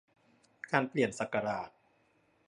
การเปลี่ยนศักราช